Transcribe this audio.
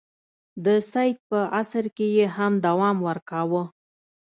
د سید په عصر کې یې هم دوام ورکاوه.